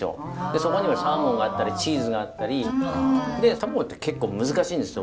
そこにはサーモンがあったりチーズがあったり卵って結構難しいんですよワインは。